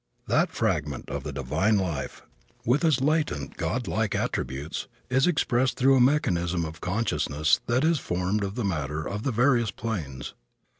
That fragment of the divine life, with its latent God like attributes, is expressed through a mechanism of consciousness that is formed of the matter of the various planes.